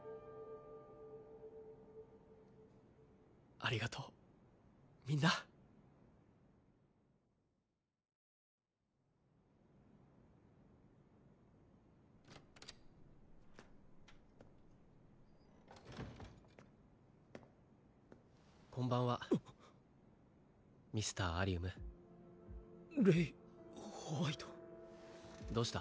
ありがとうみんなこんばんはミスターアリウムレイ＝ホワイトどうした？